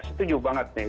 setuju banget nih